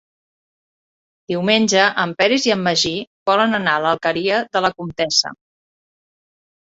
Diumenge en Peris i en Magí volen anar a l'Alqueria de la Comtessa.